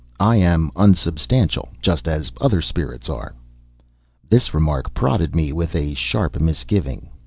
I am unsubstantial, just as other spirits are." This remark prodded me with a sharp misgiving.